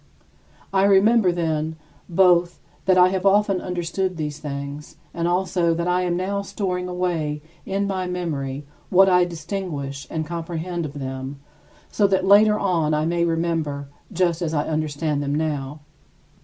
I remember, then, both that I have often understood these things and also that I am now storing away in my memory what I distinguish and comprehend of them so that later on I may remember just as I understand them now.